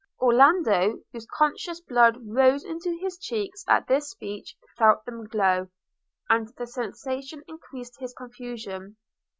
Orlando, whose conscious blood rose into his cheeks at this speech, felt them glow, and the sensation increased his confusion.